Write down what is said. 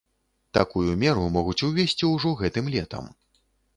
Такую меру могуць увесці ўжо гэтым летам.